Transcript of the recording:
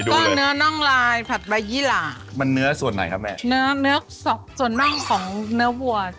ก็เนื้อน่องลายผัดใบยี่หล่ามันเนื้อส่วนไหนครับแม่เนื้อเนื้อส่วนน่องของเนื้อวัว